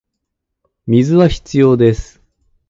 水は必要です